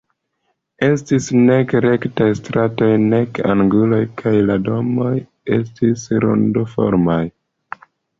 Estis nek rektaj stratoj nek anguloj kaj la domoj estis rondoformaj.